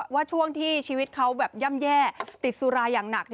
ว่าช่วงที่ชีวิตเขาแบบย่ำแย่ติดสุราอย่างหนัก